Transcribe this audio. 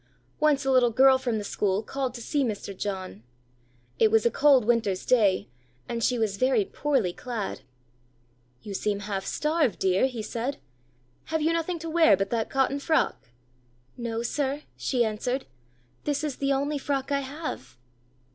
Once a little girl from the school called to see Mr. John. It was a cold winter's day, and she was very poorly clad. "You seem half starved, dear," he said; "have you nothing to wear but that cotton frock?" "No, sir," she answered; "this is the only frock I have."